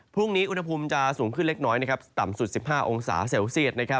พรุ่งนี้อุณหภูมิจะสูงขึ้นเล็กน้อยต่ำสุด๑๕องศาเซลเซียต